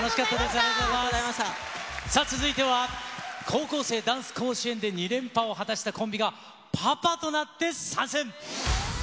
さあ、続いては高校生ダンス甲子園で２連覇を果たしたコンビが、パパとなって参戦。